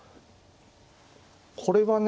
これはね